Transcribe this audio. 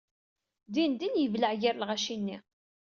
Dindin yebleɛ gar lɣaci-nni.